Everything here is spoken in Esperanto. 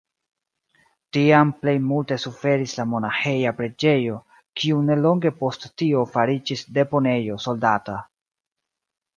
Tiam plejmulte suferis la monaĥeja preĝejo, kiu nelonge post tio fariĝis deponejo soldata.